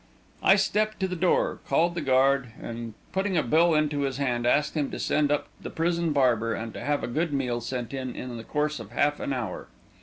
I stepped to the door, called the guard, and, putting a bill into his hand, asked him to send up the prison barber and to have a good meal sent in in the course of half an hour.